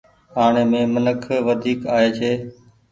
آڻي مين منک وڍيڪ آئي ڇي۔